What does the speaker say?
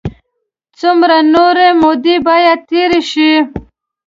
څومره نوره موده باید تېره شي.